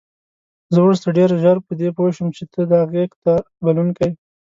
زه وروسته ډېره ژر په دې پوه شوم چې ته دا غېږ ته بلونکی.